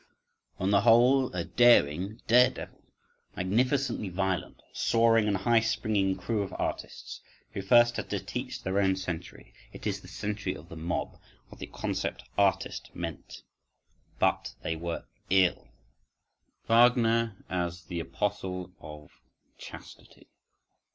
On the whole, a daring dare devil, magnificently violent, soaring and high springing crew of artists, who first had to teach their own century—it is the century of the mob—what the concept "artist" meant. But they were ill.… Wagner As The Apostle Of Chastity.